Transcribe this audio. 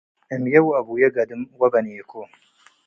እምዬ ወአቡዬ ገደም ወበኔኮ